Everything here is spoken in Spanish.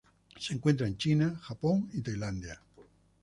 Se encuentra en China, Japón y Tailandia.